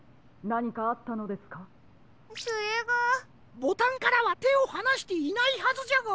ボタンからはてをはなしていないはずじゃが。